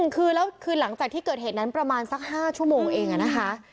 คือแล้วคือหลังจากที่เกิดเหตุนั้นประมาณสัก๕ชั่วโมงเองนะคะ